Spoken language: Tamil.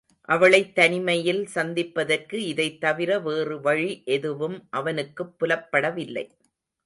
அவளைத் தனிமையில் சந்திப்பதற்கு இதைத் தவிர வேறு வழி எதுவும் அவனுக்குப் புலப்படவில்லை.